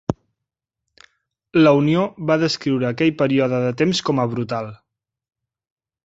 La unió va descriure aquell període de temps com a brutal.